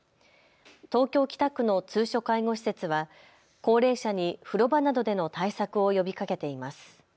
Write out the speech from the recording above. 東京北区の通所介護施設は高齢者に風呂場などでの対策を呼びかけています。